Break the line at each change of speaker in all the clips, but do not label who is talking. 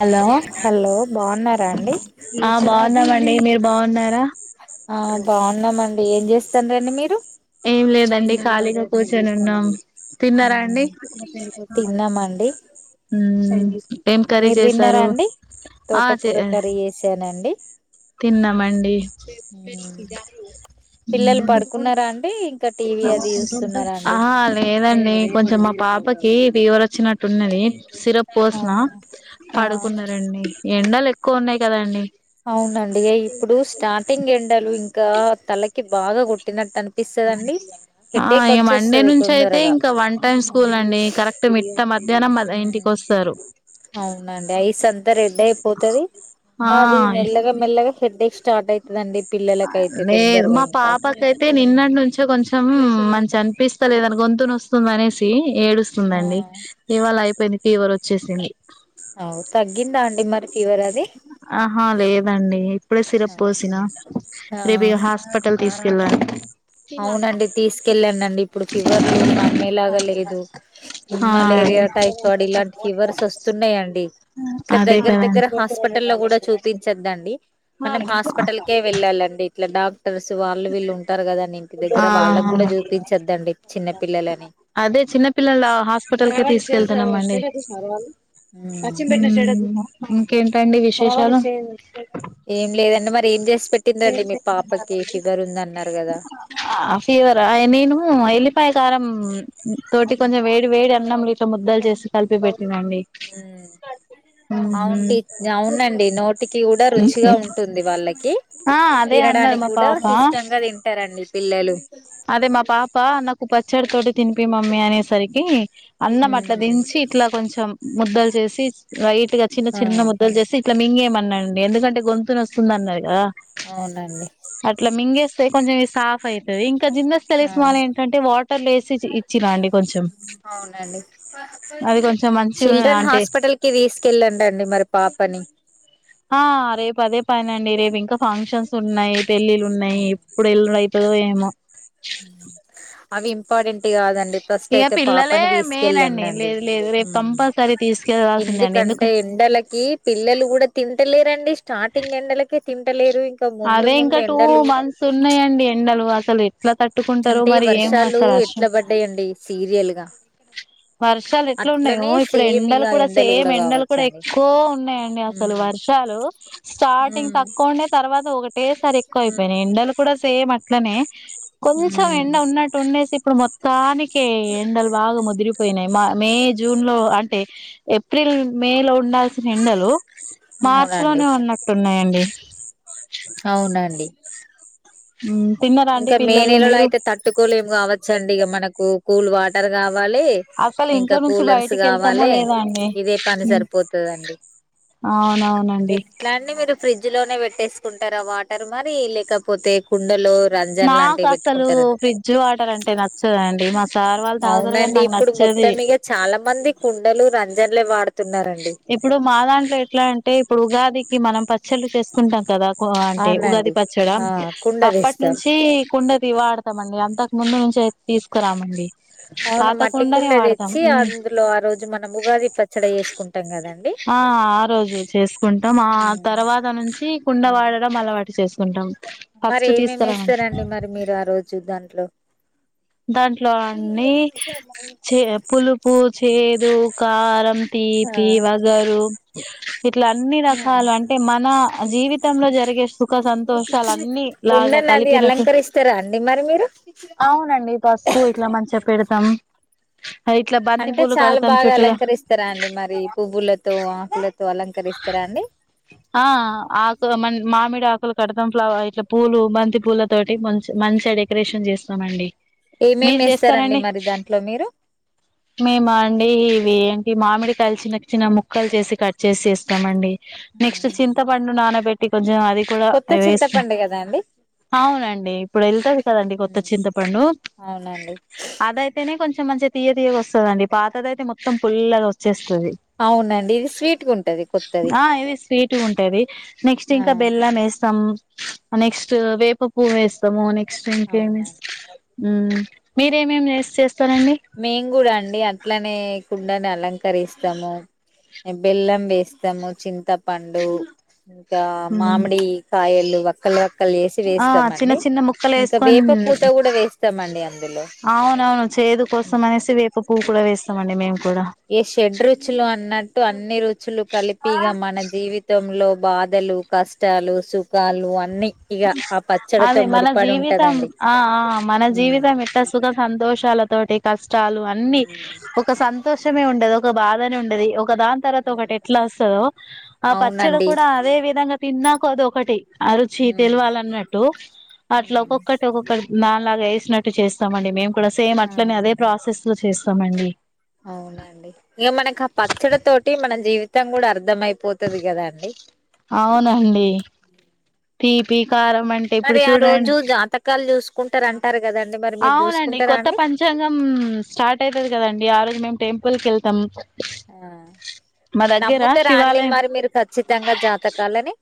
Hello
hello బాగున్నారా అండి
బాగున్నామ మీరు బాగున్నారా
ఆ బాగున్నామం ఏం చేస్తానాంండ్రి మీరు
ఏం లేదండి ఖాళీగా కూర్చొని ఉన్నాం తిన్నారా అండి
మ్మ్ తిన్నామండి
ఉ
మీరు తిన్నారా అండి
ఆ
తోట కూర కర్రీ చేసానండి
తిన్నమండి
పిల్లలు పడుకున్నారా అండి ఇంకా టీవీ అది చూస్తున్నారా అండి
ప్పకి ఫీవరొచ్చినట్టున్నది సిరప్
ఆ
పోసిన
ఆ
పడుకున్నారండి ఎండలు ఎక్కువ ఉన్నాయి కదా అండి
అవునండి ఇప్పుడు స్టార్టింగ్ ఎండలు ఇంక్ ఇంకా తలకి బాగా కొట్టినట్టు అను
ఆ ఇ మండే నుంచి అయితే
తొందరగా
ఇంకా వన్ టైమ్
ఆ
స్కూల్ అండి కరెక్ట్ మిట్ట మ
అవునండి అఐస్ అంతా రెడ్ అయిపోతుది అది
ఆ
మెల్లగా మెల్లగా హెడేక్ స్టార్ట్ స్టార్ట్ అయితదండి పిల్లలకైతే
నే
తొందరగా
మా
ఇంకా
పాపకయితే నిన్నటి నుంచె కొంచెం చనిపిస్తా లేదాని గొంతుని నొస్తుంది అనేసి
ఆ
ఏడుస్తుందండి ఇవాళ అయిపోయింది ఫీవర్ వొచ్ వచ్చేసింది
అవు తగ్గిందా అండి మరి ఫీవర్ అది
ఆహా లేదండి ఇప్పుడే సిరప్ పోసినా
ఆ
రేపు హాస్పిటల్ తీసుకెళ్ళాలి
అవునండి తీసుకెళ్ళానుండి ఇప్పుడు ఫివర్లు నమ్మేలాగా లేదు
ఆ అదే
మలేరియా టైఫాయిడ్ ఇలాంటి ఫీవర్స్ వస్తున్నాయండి ఇట్ల
అదే
దగ్గర
కదండి
దగ్గర హాస్పిటల్ లో కూడా చూపించద్దండి మనం హాస్పిటల్కే వెళ్ళాలండి ఇట్లా ర్స్ వాళ్ళు వీళ్లు ఉంటారు కదండి దగ్గర
ఆ
వాళ్ళకి కూడా చూపించద్దండి చిన్న పిల్లలని
అదే చిన్నపిల్లల హాస్పిటల్కి తీసుకెళ్తున్నామండి అ
ఉమ్.
మ్మ్ ఇంకేంటండి విశేషాలు
డేంజర్స్ ఉందన్నారు కదా
ఆ ఫీవర్ నేను ఐలిన్ ల్లిపాయకారం తోటి కొంచెం వేడి వేడి అన్నం ఇట్లా ముద్దలు చేసి కలిపి పెట్
అవున్ టి అవునండి నోటికి కూడా రుచిగా ఉంటుంది వాళ్ళకి
ఆ అదే అన్నారు
తినడానికి
మా
కూడా
పాప
ఇష్టంగా తింటారండి నీ పిల్లలు
అదే మా పాప నాకు బజ్ చ్చడి తోటి తినిపి మమ్మీ అనేసరికి అన్నం
ఉమ్
అట్లా దించి ఇట్లా కొంచెం ముద్దలు చేసి రైట్ చిన్న
ఆ
చిన్న ముద్దలు చేసి ఇట్లా మింగే అండి ఎందుకంటే గొంతుని వస్తుందిన్నారుగా
అవునండి
కొంచం సాఫ్ అయితుది ఇంకా జిన్నస్
ఆ
తెలిసిమాల్ ఏంటంటే వాటర్లో వేసి ఇచ్చినా అండి కొంచెం
అవునండి
అది కొంచెం మంచి
చిల్డ్రన్
అంటే
హాస్పిటల్ కి తీసుకెళ్ళంండి మరి పాపని
ఆ రేపు అదే పనండి రేపు ఇంకా ఫంక్షన్స్ ఉన్నాయి పెళ్ళిళ్ళ ఉన్నాయి ఇప్పుడు ఎల్లై ఏేమ
హ అవి ఇంపార్టెంట్ కాదండి ఫస్ట్
ఇక
అయితే
పిల్లలే
పాపని
మెయిన్
తీసుకెళ్ళం అండి
లేదు లేదు రేపు కంపల్సరీ తీసుకెళ్లాల్సిందండి ఎందుకు
ఎందుకంటే ఎండలకి పిల్లలు కూడా తింటలేరండి స్టార్టింగ్ ఎండలకి తిినంటలేరు
అదే ఇంకా టూ మంత్స్ ఉన్నాయంండి ఎండలు వాస్త ఎట్లా తట్టుకుంటారో
అంటే
మరి ఏమో
వర్షాలు
అసలు వర్షం
ఎట్లా పడ్డాయండి సీరియల్ గా
వర్షాలు ఎట్లా ఉన్నాయో
అట్లనే
ఇప్పుడు
సేమ్
ఎండలు
ఇగ
కూడా సేమ్ ఎండలు కూడా
కావచ్చండి
ఎక్కువ ఉన్నాయంండి అసలు
ఉమ్
వర్షాలు స్టార్టింగ్
ఉమ్
తక్కువ ఉండే తర్వాత ఒకటేసారి ఎక్కువ అయిపోయినాయి
ఉమ్
ఎండలు కూడా సేమ్ అ ట్లానే కొంచం ఎన్న
ఉమ్
ఉన్నటు ఉన్నేసి ప్ర మ సానిికే ఎండల్ వాగముదిరి మే జూన్ లో అ ంట ఏ ఏప్రిల్ మే లో ఉండాల్సిన ఎండలు మార్చి
అవునండి
లోనే ఉన్నట్టున్నాయండి వో
అవునండి
అ
ఇంకా మే నెలలో అయితే తట్టుకోలేము కావచ్చండి ఇక మనకు కూల్ వాటర్ తరగా ాల
అసలు
ఇంకా
ఇంట్లో నుంచి
కూలర్స్
బయటికి వెళ్తామో
కావాలి
లేదా అండి
ఇదే పని సరిపోతుందిండి
అవునవునండి
ఎలా మీ ఫ్రిడ్జ్ లోనే పెట్టేసుకుంటారుా వాటర్ మరి లేకపోతే కుండలో రంజన్
మాకు
లాంటివి
అసలు
పెట్టుకుంటార
ఫ్రిడ్జ్ వాటర్ అంటే నచ్చదండి మా సార్ వాళ్ళు దాగుతారు కానీ
అవునండి
నాకు
ఇప్పుడు
నచ్చేది
మొత్తం వాడు
ఇప్పుడు మా దాంట్లో ఎట్లా అంట అంటే ఇప్పుడు ఉగాదికి మనం పచ్చళ్ళు చేసుకుంటాం కదా అంటే
అవునండి
ఉగాది పచ్చడి ఆ
కుండ
అప్పటి
తెస్తాం
నుంచి కుండది వాడ ఇస్తమండి అంతకు ముందు నుంచి అయితే తీసుకురామండి
అవును
పాత
మట్టికుండ
కుండనే వాడతాం
తెచ్చి
ఉమ్
అందులో ఆ రోజు మనం ఉగాది పచ్చడి వేసుకుంటాం
ఆ ఆ రోజు చేసుకుంటాం ఆ తర్వాత నుంచి
ఆ
కుండవాడడం అలవాటు చేసుకుంటాం
మరి
ఫస్ట్
ఏమేమి
తీసుకురామం
ఇస్తారండి మరి మీరు ఆ రోజు దాంట్లో
దాంట్లో అన్నీ చే పులుపు చేదు కారం
ఆ
తీపి వగరు ఇట్లా అన్ని
ఆ
రకాలు అంటే మన జీవితంలో జరిగే సుఖ సంతోషాలు
కుండ నాది అలంకరిస్తారా అండి మరి మీరు
అండి పసుపు ఇట్లా మంచిగా పెడతాం ఇట్లా బంతి
అంటే
పూలు
చాలా
కడతాం
బాగా
చుట్టూలా
అలంకరిస్తారా అండి మరి పువ్వులతో ఆకులతో అలంకరిస్తారా అండి
ఆ ఆకు మ మామిడ ఆకు మలు కడతాం ఫ్లవర్ ఇట్ల పూలు బంతి పూల తోటి మంచి మంచిగా డెకరేషన్ చేస్తామండి
ఏమేమి
మీరు
వేస్తారండి
చేస్తారండి
మరి దాంట్లో మీరు
మేమా అండి ఇవి ఈ మామిడి కలిసి నకు చిన్న చిన్న ముక్కలు చేసి కట్ చేసి ఇస్తామండి నెక్స్ట్ చింతపండు నానబెట్టి టి కొంచెం అది కూడా
కొత్త
అ
చింతపండు కదా అండి
అవునండి ఇప్పుడు వెళ్తుంది కదండి కొత్త చింతపండు
అవునండి
అదయితేనే కొంచెం కొంచెం మంచిగా తీయ తీయగా వచ్చేస్తుంది పాతదియితే మొత్తం పుల్లగా వచ్చేస్తంది
అవునండి ఇది స్వీట్
ఆ ఇది స్వీట్గా ఉంటుది నెక్స్ట్
ఆ
ఇంకా బెల్లం వేస్తాం నెక్స్ట్ వేప పూవ వేస్తాము నెక్స్ట్ నెక్ట్ ఇంకా ఏమి
అవునండి
వేస్తాం ఉమ్ మీరేమేం చేస్త
మేము కూడా అండి అట్లానే కుండాని అలంకరిస్తాము బెల్లం వేస్తాము చింతపండు ఇక
మ్
మామిడి కాయలు వీళ్ళు వక్కలు పక్కలు చేసి
ఆ చిన్న
వేస్తామండి
చిన్న ముక్కలు
ఇంకా వేప
వేసుకొని
పూత కూడా వేస్తామండి అందులో
ది కోసం అనేసి వేపు పూకులు వేస్త అవునండి మేము కూడా
ఏ షడ్ రుచులు అన్నట్టు అన్ని రుచులు కలిపి ఇగ మన జీవితంలో బాధలు, కష్టాలు, సుఖాలు అన్నిీ
అదే మన జీవితం
ఉంటదండి
ఆ మన
ఉమ్
జీవితం ఎత్త సుఖ సంతోషాలతోటి కష్ట స్టలు అన్నిీ ఒక సంతోషమే ఉంటే ఏదో ఒక బాధనే ఉండేది ఒక దాని తర్వాత ఒకటి ఎట్లా వస్తుందో ఆ పచ్చడి
అవునండి
కూడా అదే విధంముగ. తిన్నాక అద ఒకటి అ
ఉమ్
తెలివాలన్నట్టు అట్లా ఒక్కొక్కటి ఒక్కొక్కటి దలాగా వేసినట్టు చేస్తామండి మేం కూడా సేమ్
ఆ
అట్లనే అదే ప్రాసెస్ చేస్తామండి
అవునండి ఇక మనకి ఆ పచ్చడి తోటి మన జీవితం కూడా అర్థ అయిపోతది కదా అండి.
అవునండి తీ పి
మరి ఆ రోజు జాతకాలు చూసు కుంటారుారంటారు
అవునండి కొత్త పంచాంగం స్టార్ట్ అయితది కదండి ఆ రోజు మేమి టైం కేళ్తాం
ఆ నమ్ముతే రండి
శివాలయం
మరి మీరు ఖచ్చితంగా జాతకాలని?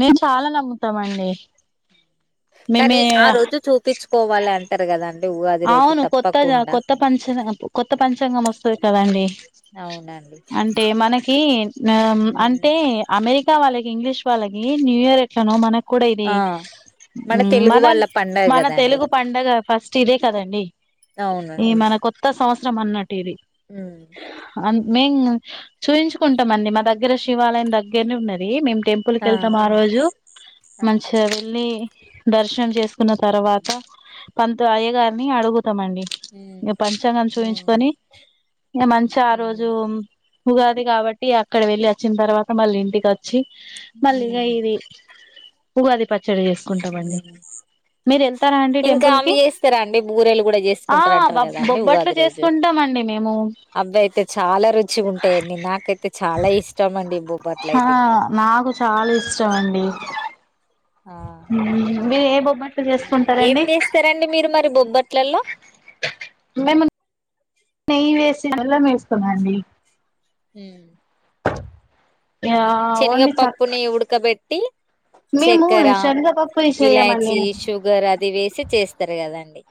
మేము చాలా నమ్ముతామ అండి.
కానీ ఆ రోజు చూపించుకోవాలి అంటారు కదాం.
అవును కొత్త కొత్త పంచ కొత్త పంచాంగం వస్తుంది కదండి,
అవునండి
అంటే మనకి ఆ
ఉమ్
అంటే అమెరికా వాళ్ళకి ఇంగ్లీష్ వాళ్ళకి న్యూయర్ ఎట్లనో మనకి కూడా ఇది
ఆ తెలుగు
మన
వాళ్ళ పండగ
మన
కదండి
తెలుగు పండగ ఫస్ట్.. థీదే కదండి ఈ మన కొత్త సంవస్ రామ్ అన్నట్టుఇది
ఉ
మేము చూయిించుకుంటాం అండి మా దగ్గర శివాలయం దగ్గరనే ఉన్నది. మేము.. టెంపుల్ కిళ్తాం ఆ రోజు
ఆ
మంచిగా వెళ్ళి దర్శనం చేసుకు న్న తర్వాత
ఉమ్
తయ గారిని అడుగు మండి
ఉమ్
ఇంక పంచాంగాం
ఉమ్
చూపించుకొని. ఇంగ మంచి ఆ రోజు
ఉమ్
ఉగాది కాబట్టి అక్కడ వెళ్లి వచ్చిన తర్వాత మళ్ళీ ఇంటికి వ వచ్చి మల్ళీగా
ఉమ్
ఇది ఉగాది ప చెడు చేసుకుంటామండి మీరు వెళ్తారా అండి టెంపుల్ కి
స్తారా అండి బూరేలు కూడా
ఆ
చేసుకుంటార
బ
అంటారు కదాండి
బొబ్బట్లు
ఉగాది రోజు
చేసుకుంటామండి మేము
అబ్బాయి అయితే చాలా రుచి ఉంటాయండి నాకైతే చాలా ఇష్టం బొబ్బట్లు
ఆ
అయితే ఇంకా
నాకు చాలా ఇష్టం అండి
ఆ
మీరు ఏ బొబ్బట్లు
హ్మ్. ఏం
చేసుకుంటారండి
చేస్తారండి మీరు మరి బొబ్బట్లలో
మేము నెయ్యి వేస్ బెల్లం వేసుకోన్నాండి
హ్మ్
ఆ
శనగ
ఓన్లీ చ
పప్పుని ఉడకబెట్టి
మేము
చక్కెర
శనగపప్పు చేయమండి
విలాయచీ షుగర్ అది వేసి చేస్తారు కదండి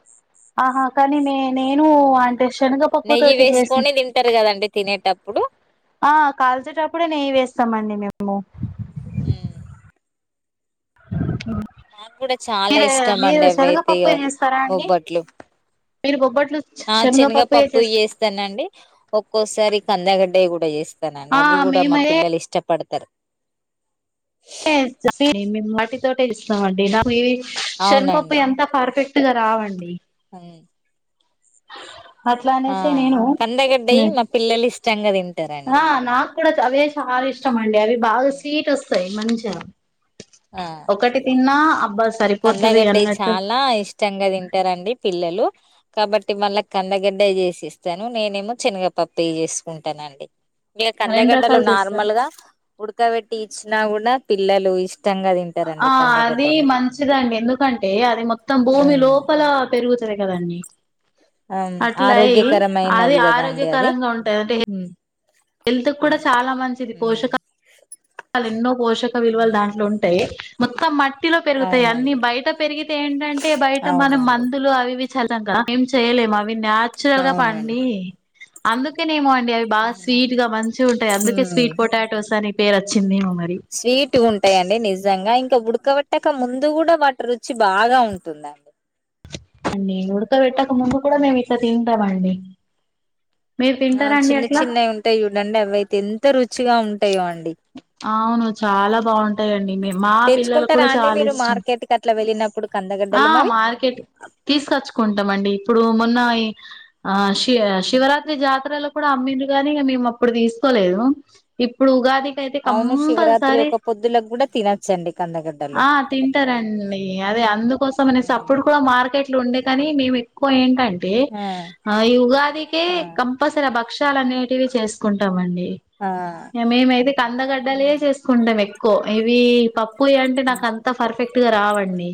ఆహా కనిమే నేను అంటే శనగపప్పు
నెయ్యి
తోటి చేసి
వేసుకొని తింటారు కదండి తినేటప్పుడు
ఆ కాలుచటప్పుడే నెయ్యి వేస్తామ అండి మేము హలో
నాకు కూడా చాలా
మీరు
ఇష్టం
మీరు
అండి అవియితే ఇ
శనగపప్పు చేస్తారా అండి
బొబ్బట్లు
మీరు బొబ్బ
ఆ శనగపప్పు చేేస్తానండి ఒక్కోసారి కందాగడ్డయ కూడా స్
ఆ
[inaudible] అవి కూడా మా
మేమదే
పిల్లలు ఇష్ట పడతారు
మే వాటి తోటే ఇస్తాం అండి నాకు [unintelligible] ఎంత పార్ఫెక్ట్ ఉతిగారావండి.
హ్మ్
అట్లా
ఆ
అనేసి
కందగడ్డయి
నేను
మా పిల్లు ఇస్త చంగా తిన్
ఆ నాకు కూడా అవే చాలా ఇష్టం అండి అవి బాగా స్వీట్ వస్తాయి మంచి జర ఒకటి తిన్నా అబ్బా స
కందగడ్డ చాలా ఇష్టంగా తింటారండి పిల్లలు కాబట్టి మళ్ళా కందగడ్డ చేసి ఇస్తాను నేనేమో సెనగ పప్పుే చేసుకుంటానండి. ఇగా
రెండు
కందగడ్డలు
రకాలు చేస్తారు
నార్మల్ గా ఉడకబెట్టి తీసిన కూడా పిల్లలు ఇష్ట ష్టంగా
ఆ
తింటారండి
అది
కందగడ్డని
మంచిదండి ఎందుకంటే అది మొత్తం భూమి
ఉమ్
లోపల పెరుగుతది కదండి
ఆమ్
అట్లా అయి అది
ఆరోగ్యకరమైనది గాదా అండి అది
ఆరోగ్యకరంగా ఉంటది అంటే
హూ
హెల్త్ కూడా చాలా మంచిది పోషకా లు ఎన్నో పోషక విలువలు
హ్మ్
దాంట్లో ఉంటాయి. మొత్తం మా ట్టిలో పెరుగుతాయి అన్ని
అవునండి
బయట పెరిగితే ఏంటంటే బయట మనం
అవునండి
మందులు అవి చల్లగా ఏం చెయలేం అవి న్యాచురల్ గా
అవునండి
పండి అందుకేనేమో అం డి అవి బాగా స్వీట్
అవునండి
గా మంచిగా ఉంటాయి అందుకే స్వీట్ పొటాటోస్ అని పేర చ్చిదేమో
స్వీట్గా ఉంటాయి అండి నిజంగా ఇం క ఉడకవేట్టక ముందు కూడా వాటి రుచి బాగా ఉంటుందండి.
అండి ఉడుక వెట్టక్ క ముందు కూడా మేము
ఉమ్
ఇట్లా తింటామండి మీరు
ఆ
తింటారండి
చిన్న
అట్లా
చిన్నయి ఉంటాయి చూడండి అవి అయితే ఎంత రుచిగా ఉంటాయో అండి
అవును చాలా బాగుంటాయండి మే మా పిల్లలకు
తెచ్చుకుంటారా.
కూడా
అండి
చాలా
మీరు
ఇష్టం
మార్కెట్కి అట్లా వెళ్ళినప్పుడు
ఆ
కందగడ్డలు మరి
మార్కెట్ తీసుకొచ్చుకుంటాం అండి ఇప్పుడు మొన్న ఈ ఆ శివ శివరాత్రి జాతరలో కూడా అమ్మిర్రు గాని మేము అప్పుడు తీసుకోలేదు. ఇప్పుడు ఉగాది ది అయితే
అవును శివరాత్రి
కంపల్సరీ
ఒక పొద్దులకు కూడా తినొచ్చండి కందగడ్డలు
ఆ తింటారు అండి అదే అందుకు కోసం అనేసి అప్పుడు కూడా మార్కె ట్లు ఉండే కాని మేము ఎక్కువ ఏంటం టె
ఆ
ఈ ఉగాది కే
ఆ
కంపల్సరీ భక్ష్య లు ఆనేటివి చేసుకుంటం అండి
ఆ ఆ
ఇయ మేమైతే కందగడ్డలే
ఉమ్
చేసుకుంటాం ఎక్కు కో ఏవి ప పొయి అంటే
ఉమ్
నాకు అంత పర్ఫె ఇగ రావండి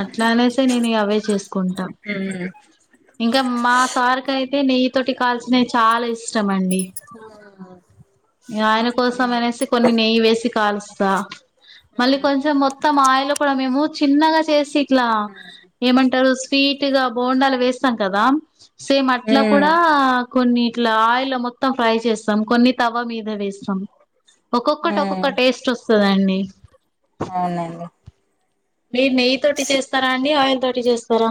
అట్లానేసే నేను ఇగ అవే చేసుకుంటా ఇంకా మా సార్కి అయితే నెయ్యి తోటి కాల్ నే చాలా ఇష్టమండి. ఆయన కోసం అనేసి కొన్ని నెయ్యి వేసి కాలుస్తా. మళ్ళీ కొంచెం మొత్తం ఆయిల్ కూడా మేము చిన్నగా సేసి ఇట్లా ఏమంటరు స్వీట్ గా బోండలు వేస్తాం కదా సేమ్ అట్లా
ఉమ్
కూడా కొన్ని ఇట్ల ఆయిల్లా మొత్తం ఫ్రై చేస్తాం, కొన్ని తవ్వ మీద వేస్తం. ఒక్కొక్కటి ఒక్కొక్క
ఉమ్
టేస్టొస్ స్తదండి.
అవునండి
మీరు నెయ్యి తోటి చేస్తరా అండి ఆయిల్ తో టి చేస్తరా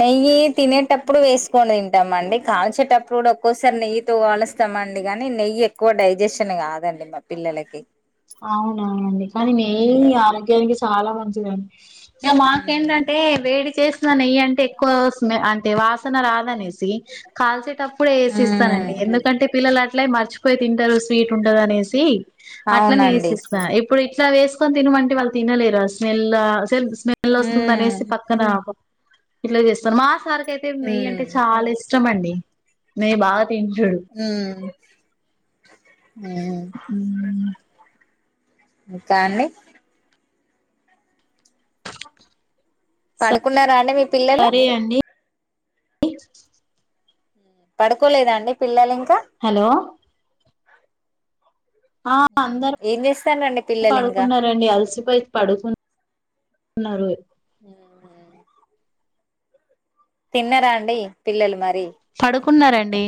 నెయ్యి తినేటప్పుడు వేసుకొని తింటామండి, కాల్చేటప్పుడు కూడా ఒక్కోసారి నెయ్యితో కాలుస్తామండి కాని నెయ్యి ఎక్కువ డైజెషన్ కాదండి మా పిల్లలకి.
అవునవునండి కాని నెయీ
ఉమ్
ఆరోగ్యానికి చాల మంచిదం టే
ఉమ్
మాకేంటంటే వేడి చేసి తు నెయ్యంటే ఎక్కువ స్మె అంటే వాసన రాదనే సి కాల్చేటప్పుడు
ఉమ్
ఏసిస్తానండి ఎందుకంటే పిల్లల ట్లే మర్చిపోయి తింటరు స్వీట్ ఉంటది అనేసి అట్లనే
అవునండి
ఏసిస్తా ఇప్పుడు ఇ ట్ల వేసుకొని తినమంటే వాళ్ళు తినలేరు ఆ స్మెల్లా స్మెల్ వస్తుంది
ఉమ్
అనేసి పక్కన ఇట్ల చేస్తరు మా సార్ కైతే నెయ్యి
ఉమ్
అంటే చాల ఇ ష్టమండి నెయ్యి బాగ
హ్ము అ మ్మూ ఇంకా అండి పండుకున్నారా అండి మీ పిల్లలు
సరే అండి
పడుకోలేదా అండి పిల్లలు ఇంకా
హలో ఆ అందరు
ఏం చేస్తారండి పిల్లలు ఇంకా
పడుకున్నారండి అలసిపోయి పడుకున్న ఉన్నారు
హమ్ తిన్నర అండి పిల్లలు మర్ తే
కున్నారండి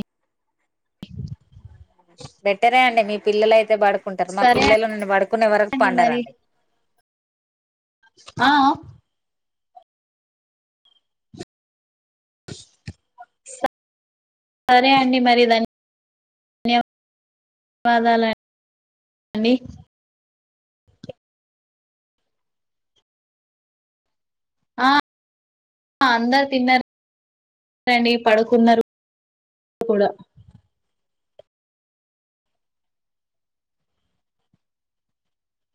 బెట్టరే అండి మీ పిల్లల అయితే పడుకో కుంటరు మా
సరే
పిల్లలు నన్ను పడుకునే వరకు
అండి మరి
పండారండి
ఆ సరే అండి మరి దన్ వాదాల అండి ఆ అందరు తిన్నారండి పడుకున్నారు కూడా